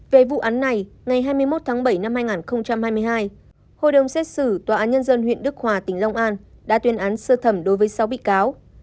về vụ án này ngày hai mươi một tháng bảy năm hai nghìn hai mươi hai hội đồng xét xử tòa án nhân dân huyện đức hòa tỉnh long an đã tuyên án sơ thẩm đối với sáu bị cáo